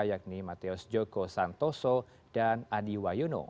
yakni mateus joko santoso dan adi wahyono